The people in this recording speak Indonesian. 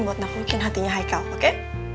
buat ngelukin hatinya haikal oke